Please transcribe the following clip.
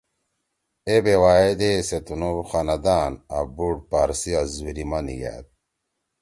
اے بیوا ئے دے سے تنُو خاندان آں بُوڑ پارسی عزیزویلی ما نیگھأد